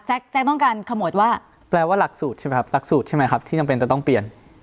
แจ๊กต้องการขโมยว่าแปลว่าหลักสูตรใช่ไหมครับหลักสูตรใช่ไหมครับที่จำเป็นจะต้องเปลี่ยน